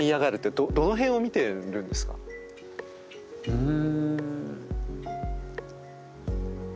うん。